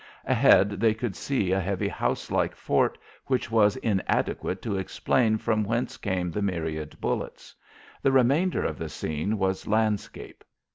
Ahead they could see a heavy house like fort which was inadequate to explain from whence came the myriad bullets. The remainder of the scene was landscape.